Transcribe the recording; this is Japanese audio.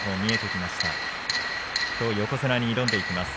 きょう横綱に挑んでいきます。